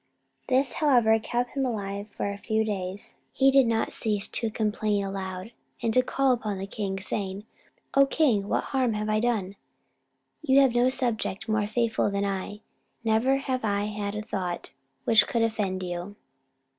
This, however, kept him alive for a few days, during which he did not cease to complain aloud, and to call upon the king, saying, "O king, what harm have I done? You have no subject more faithful than I. Never have I had a thought which could offend you."